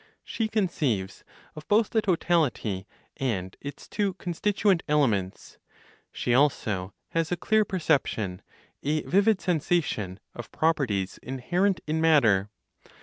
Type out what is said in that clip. She conceives of both the totality and its two constituent elements. She also has a clear perception, a vivid sensation of properties inherent (in matter).